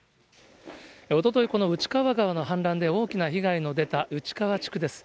おととい、このうち川側の氾濫で大きな被害の出たうちかわ地区です。